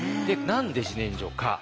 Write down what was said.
何で自然薯か。